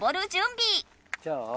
じゃあ。